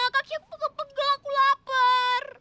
kaki aku pegel pegel aku lapar